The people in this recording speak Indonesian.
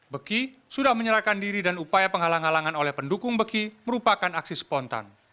beki sudah menyerahkan diri dan upaya penghalang halangan oleh pendukung beki merupakan aksi spontan